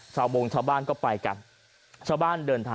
เช้าบงชาวบ้านก็ไปกัน